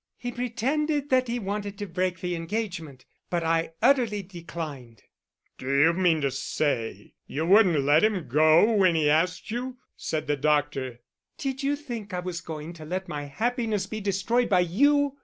"He pretended that he wanted to break the engagement but I utterly declined." "D'you mean to say you wouldn't let him go when he asked you?" said the doctor. "Did you think I was going to let my happiness be destroyed by you?"